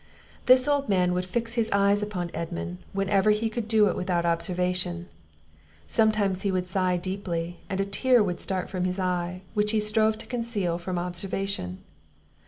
This old man would fix his eyes upon Edmund, whenever he could do it without observation; sometimes he would sigh deeply, and a tear would start from his eye, which he strove to conceal from observation.